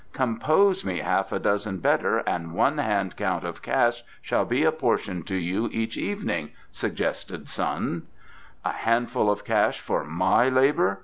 "Compose me half a dozen better and one hand count of cash shall be apportioned to you each evening," suggested Sun. "A handful of cash for my labour!"